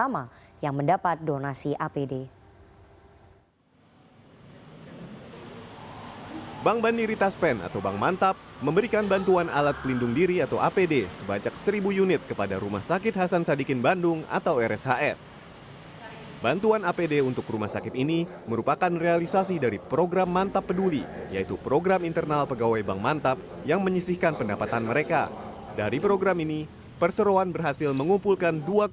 memberikan bantuan alat pelindung diri apd kepada tujuh rumah sakit di enam kota besar di indonesia